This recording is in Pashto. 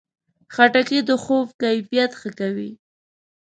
خټکی د خوب کیفیت ښه کوي.